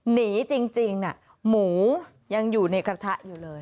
หนีจริงหมูยังอยู่ในกระทะอยู่เลย